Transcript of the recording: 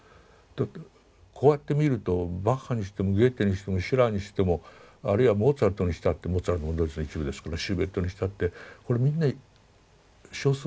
こうやって見るとバッハにしてもゲーテにしてもシラーにしてもあるいはモーツァルトにしたってモーツァルトもドイツの一部ですからシューベルトにしたってこれみんな少数派ですね。